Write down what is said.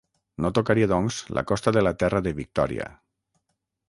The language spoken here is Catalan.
No tocaria, doncs, la costa de la Terra de Victòria.